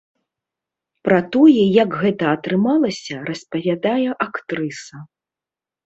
Пра тое, як гэта атрымалася, распавядае актрыса.